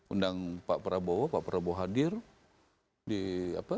undang pak prabowo pak prabowo hadir di apa